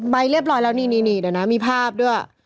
ใบเรียบร้อยแล้วนี่เดี๋ยวนะมีภาพด้วย